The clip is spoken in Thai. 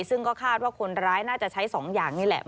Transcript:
ซึ่งก็คาดว่าคนร้ายน่าจะใช้๒อย่างนี้แหละ